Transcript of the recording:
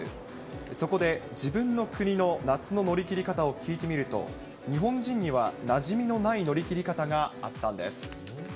そこで自分の国の夏の乗り切り方を聞いてみると、日本人にはなじみのない乗り切り方があったんです。